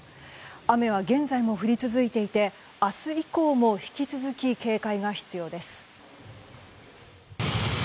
雨は現在も降り続いていて明日以降も引き続き警戒が必要です。